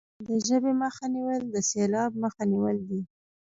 د ژبې مخه نیول د سیلاب مخه نیول دي.